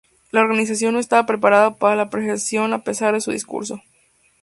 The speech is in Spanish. La organización no estaba preparada para la represión a pesar de su discurso.